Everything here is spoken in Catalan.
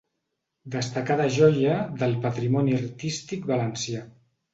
Destacada joia del patrimoni artístic valencià.